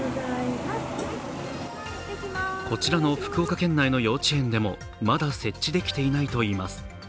こちらの福岡県内の幼稚園でもまだ設置できていないといいます。